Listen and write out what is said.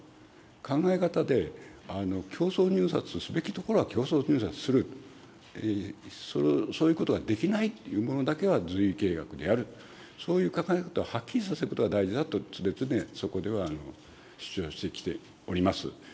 考え方で、競争入札すべきところは競争入札する、そういうことはできないというものだけは随意契約でやる、そういう考え方をはっきりさせることが大事だと、常々、そこでは主張してきております。